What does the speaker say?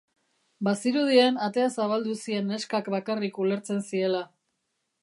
Bazirudien atea zabaldu zien neskak bakarrik ulertzen ziela.